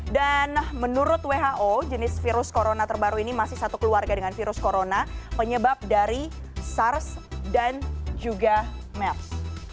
dan menurut who jenis virus corona terbaru ini masih satu keluarga dengan virus corona menyebab dari sars dan juga mers